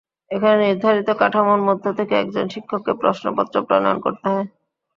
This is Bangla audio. এখানে নির্ধারিত কাঠামোর মধ্যে থেকে একজন শিক্ষককে প্রশ্নপত্র প্রণয়ন করতে হয়।